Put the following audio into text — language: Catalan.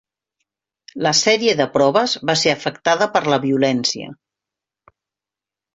La sèrie de proves va ser afectada per la violència.